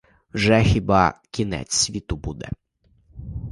Вже хіба кінець світу буде!